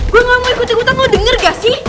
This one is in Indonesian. gue gak mau ikut ikutan lo denger gak sih